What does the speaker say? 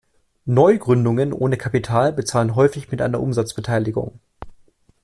Neugründungen ohne Kapital bezahlen häufig mit einer Umsatzbeteiligung.